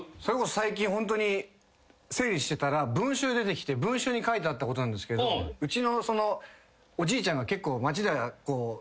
最近整理してたら文集出てきて文集に書いてあったことなんですけどうちのおじいちゃんが結構町では。